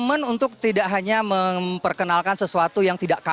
namun tying up kembali berbedaoses in order to